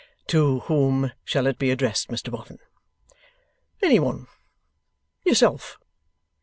'To whom shall it be addressed, Mr Boffin?' 'Anyone. Yourself.